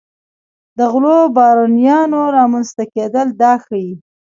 د غلو بارونیانو رامنځته کېدل دا ښيي.